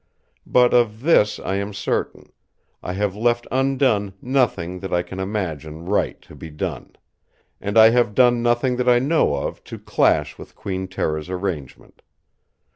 But of this I am certain; I have left undone nothing that I can imagine right to be done; and I have done nothing that I know of to clash with Queen Tera's arrangement.